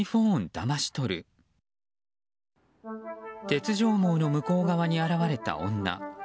鉄条網の向こう側に現れた女。